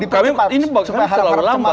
kami ini sebenarnya terlalu lambat